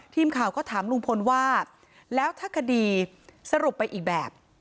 ทีมข่าวก็ถามลุงพลว่าแล้วถ้าคดีสรุปไปอีกแบบ